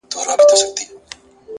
حکمت د تجربې مېوه ده.!